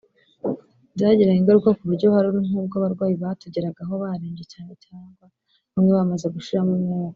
Byagiraga ingaruka ku buryo hari nk’ubwo abarwayi batugeragaho barembye cyane cyangwa bamwe bamaze gushiramo umwuka